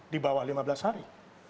di bawah lima belas hari